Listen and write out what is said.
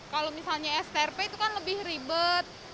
kalau misalnya strp itu kan lebih ribet